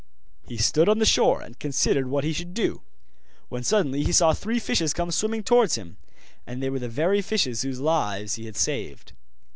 He stood on the shore and considered what he should do, when suddenly he saw three fishes come swimming towards him, and they were the very fishes whose lives he had saved.